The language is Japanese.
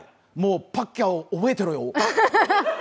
パッキャオ、覚えてろよ。